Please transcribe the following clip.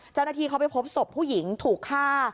เจ้าหน้าที่เขาไปพบศพผู้หญิงถูกฆ่า